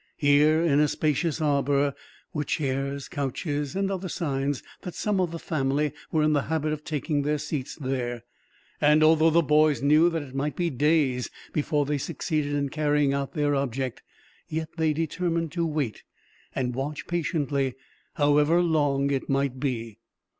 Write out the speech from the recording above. Here, in a spacious arbor, were chairs, couches, and other signs that some of the family were in the habit of taking their seats there; and although the boys knew that it might be days before they succeeded in carrying out their object, yet they determined to wait, and watch patiently, however long it might be.